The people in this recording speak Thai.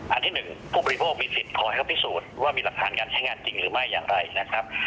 อันที่๑ผู้บริโภคมีสิทธิ์ขอให้เขาพิสูจน์ว่ามีหลักฐานการใช้งานจริงหรือไม่อย่างไรนะครับ